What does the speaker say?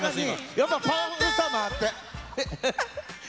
やっぱパワフルさもあって。